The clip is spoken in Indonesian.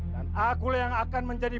akulah yang akan menjadi